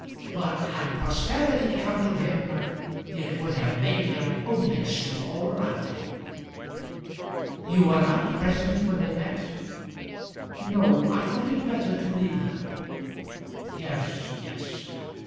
But had prosperity come to him, it would have made him odious to all around him. You were not present when they met?" "No I thought it better to leave them." "Yes, yes.